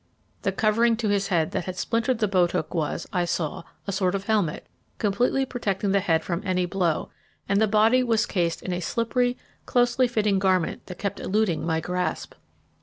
The covering to his head that had splintered the boat hook was, I saw, a sort of helmet, completely protecting the head from any blow, and the body was cased in a slippery, closely fitting garment that kept eluding my grasp.